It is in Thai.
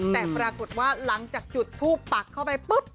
แต่ปรากฏว่าหลังจากจุดทูปปักเข้าไปปุ๊บ